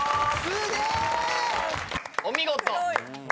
お見事！